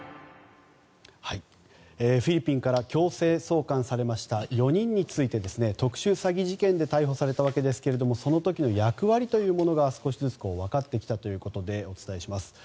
フィリピンから強制送還されました４人について、特殊詐欺事件で逮捕されたわけですけれどもその時の役割というものが少しずつ分かってきたということでお伝えします。